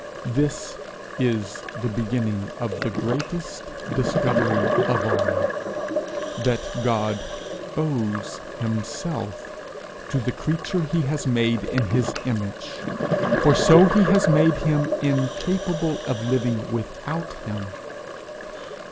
This is the beginning of the greatest discovery of all that God owes himself to the creature he has made in his image, for so he has made him incapable of living without him.